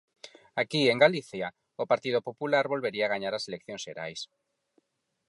Aquí en Galicia, o Partido Popular volvería gañar as eleccións xerais.